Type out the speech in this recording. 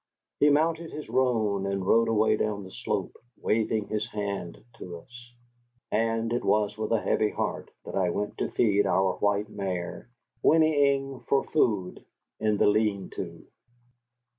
He mounted his roan and rode away down the slope, waving his hand to us. And it was with a heavy heart that I went to feed our white mare, whinnying for food in the lean to.